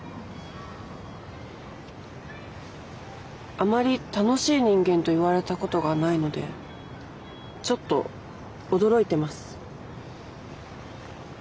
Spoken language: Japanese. あまり楽しい人間と言われたことがないのでちょっと驚いてます。